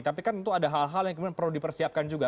tapi kan tentu ada hal hal yang kemudian perlu dipersiapkan juga